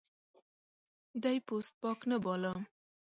دی پوست پاک نه باله.